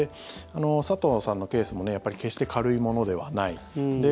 佐藤さんのケースも決して軽いものではない。